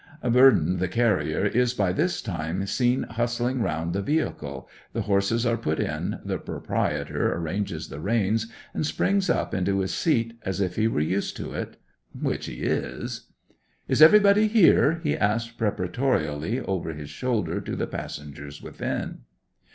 Burthen, the carrier, is by this time seen bustling round the vehicle; the horses are put in, the proprietor arranges the reins and springs up into his seat as if he were used to it—which he is. 'Is everybody here?' he asks preparatorily over his shoulder to the passengers within.